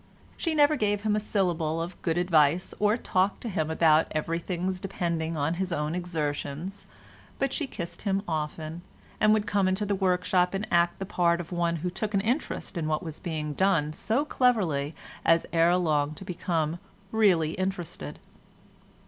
She never gave him a syllable of good advice, or talked to him about everything's depending upon his own exertions, but she kissed him often, and would come into the workshop and act the part of one who took an interest in what was being done so cleverly as ere long to become really interested.